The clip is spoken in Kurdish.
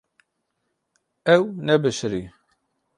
Ew nebişirî.